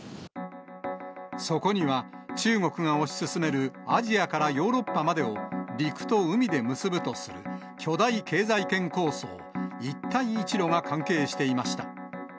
そこには、中国が推し進めるアジアからヨーロッパまでを陸と海で結ぶとする巨大経済圏構想、一帯一路が関係していました。